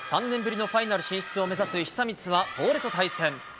３年ぶりのファイナル進出を目指す久光は東レと対戦。